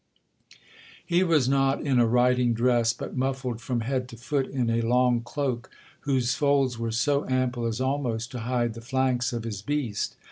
'He was not in a riding dress, but muffled from head to foot in a long cloke, whose folds were so ample as almost to hide the flanks of his beast.